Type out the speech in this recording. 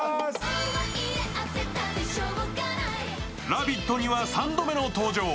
「ラヴィット！」には３度目の登場。